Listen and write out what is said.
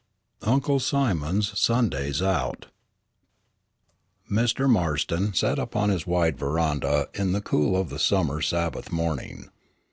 UNCLE SIMON'S SUNDAYS OUT Mr. Marston sat upon his wide veranda in the cool of the summer Sabbath morning.